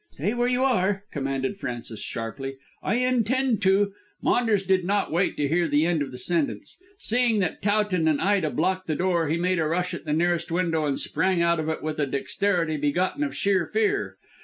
"Stay where you are," commanded Frances sharply. "I intend to " Maunders did not wait to hear the end of the sentence. Seeing that Towton and Ida blocked the door he made a rush at the nearest window and sprang out of it with a dexterity begotten of sheer fear.